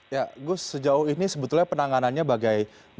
ya gus sejauh ini sebetulnya penanganannya bagai